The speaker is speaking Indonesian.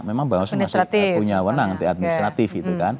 memang mbak waslu masih punya wenang administratif